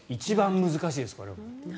一番難しいです。